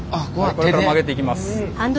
これから曲げていきます。